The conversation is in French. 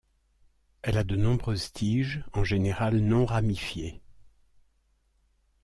Elle a de nombreuses tiges en général non ramifiées.